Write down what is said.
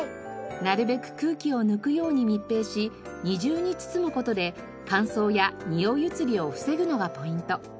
なるべく空気を抜くように密閉し二重に包む事で乾燥やにおい移りを防ぐのがポイント。